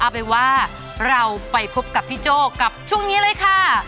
เริ่มว่าเราไปพบกับปี่โจ้ช่วงนี้เลยค่ะ